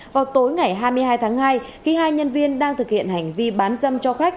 vào tối ngày hai mươi hai tháng hai khi hai nhân viên đang thực hiện hành vi bán dâm cho khách